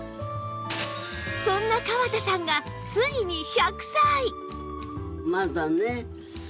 そんな川田さんがついに１００歳！